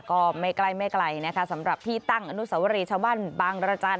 ก็ไม่ไกลสำหรับที่ตั้งอนุสาหวะรีชาวบ้านบ้านระจันทร์